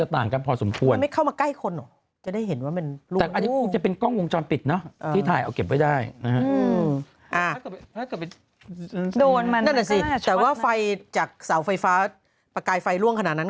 ถ้าไฟจากสาวไฟฟ้าประกายไฟล่วงขนาดนั้น